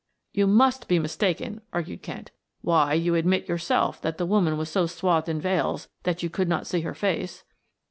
"You must be mistaken," argued Kent. "Why, you admit yourself that the woman was so swathed in veils that you could not see her face."